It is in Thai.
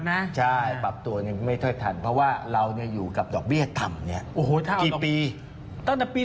ในภาวะที่อัตราดอกเบี้ยนี้